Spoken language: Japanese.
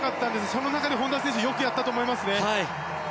その中で本多選手よくやったと思います。